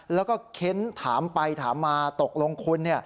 แล้วก็เค้นถามไปถามมาตกลงคุณ